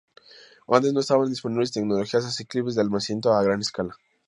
Antes no estaban disponibles tecnologías asequibles de almacenamiento a gran escala.